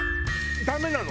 ダメなの？